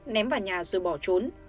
ném vào nhà rồi bỏ trốn